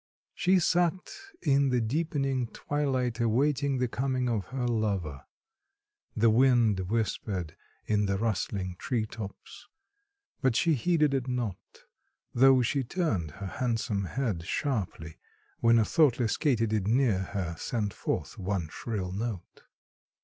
She sat in the deepening twilight awaiting the coming of her lover. The wind whispered in the rustling tree tops, but she heeded it not, though she turned her handsome head sharply when a thoughtless katydid near her sent forth one shrill note.